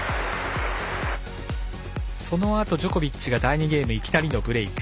そのあと、ジョコビッチが第２ゲームいきなりのブレーク。